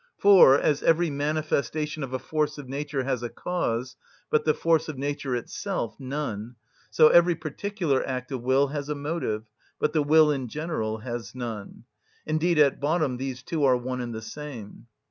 For, as every manifestation of a force of nature has a cause, but the force of nature itself none, so every particular act of will has a motive, but the will in general has none: indeed at bottom these two are one and the same.